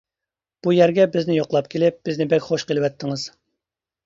-بۇ يەرگە بىزنى يوقلاپ كېلىپ بىزنى بەل خوش قىلىۋەتتىڭىز.